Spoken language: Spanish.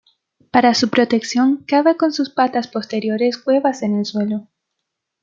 Para su protección, cava con sus patas posteriores cuevas en el suelo.